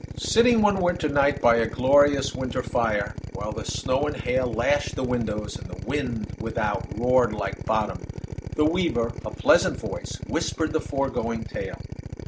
Sitting one winter night by a glorious winter fire, while the snow and hail lashed the windows, and the wind without roared like Bottom, the weaver, a pleasant voice whispered the foregoing tale.